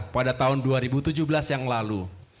pada tahun dua ribu tujuh belas yang lalu